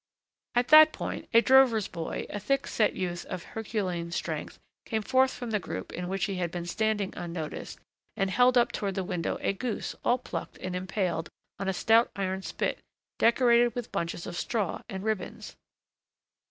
At that point, a drover's boy, a thick set youth of herculean strength, came forth from the group in which he had been standing unnoticed, and held up toward the window a goose all plucked and impaled on a stout iron spit, decorated with bunches of straw and ribbons.